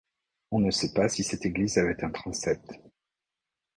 On ne sait pas si cette église avait un transept.